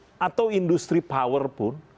kimia kita atau industri power pun